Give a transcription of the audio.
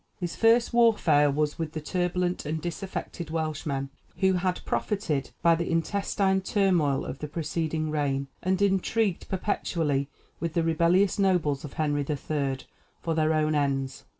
His first warfare was with the turbulent and disaffected Welshmen, who had profited by the intestine turmoil of the preceding reign, and intrigued perpetually with the rebellious nobles of Henry III. for their own ends.